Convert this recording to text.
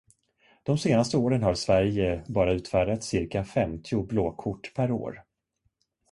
De senaste åren har Sverige bara utfärdat cirka femtio blåkort per år.